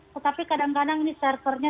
tetapi kadang kadang servernya